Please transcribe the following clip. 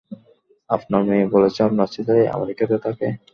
আপনার মেয়ে বলেছে আপনার ছেলে আমেরিকাতে থাকে।